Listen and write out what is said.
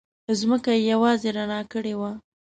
ځمکه یې یوازې رڼا کړې وه.